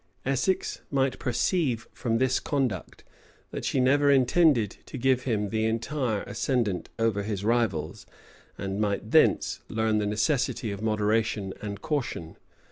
Essex might perceive from this conduct, that she never intended to give him the entire ascendant over his rivals, and might thence learn the necessity of moderation and caution.